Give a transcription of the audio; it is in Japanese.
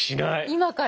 今から。